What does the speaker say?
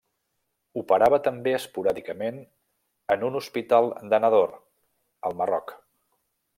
Operava també esporàdicament en un hospital de Nador, al Marroc.